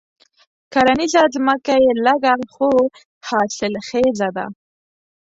کرنيزه ځمکه یې لږه خو حاصل خېزه ده.